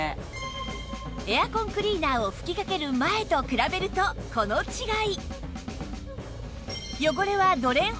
エアコンクリーナーを吹きかける前と比べるとこの違い！